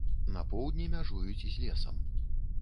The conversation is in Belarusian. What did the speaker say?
На поўдні мяжуюць з лесам.